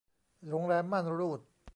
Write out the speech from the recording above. โรงแรมม่านรูด